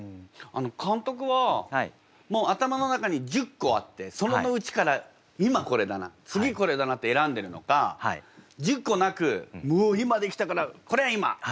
監督はもう頭の中に１０個あってそのうちから今これだな次これだなって選んでるのか１０個なくもう今出来たからこれ今！